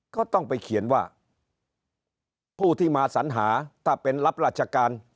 ก็ต้องไปเขียนว่าผู้ที่มาสัญหาถ้าเป็นรับราชการ